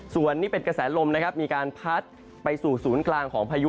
ส่วนนี้เป็นกระแสลมนะครับมีการพัดไปสู่ศูนย์กลางของพายุ